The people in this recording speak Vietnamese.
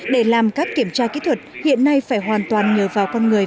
để làm các kiểm tra kỹ thuật hiện nay phải hoàn toàn nhờ vào con người